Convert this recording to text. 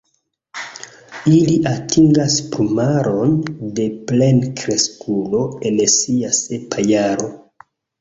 Ili atingas plumaron de plenkreskulo en sia sepa jaro.